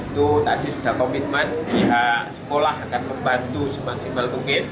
itu tadi sudah komitmen sekolah akan membantu semasimal mungkin